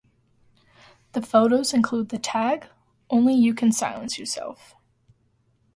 The photos include the tag, Only you can silence yourself.